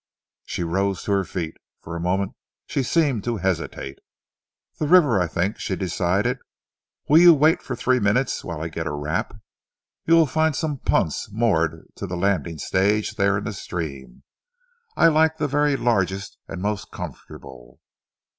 She rose to her feet. For a moment she seemed to hesitate. "The river, I think," she decided. "Will you wait for three minutes while I get a wrap. You will find some punts moored to the landing stage there in the stream. I like the very largest and most comfortable."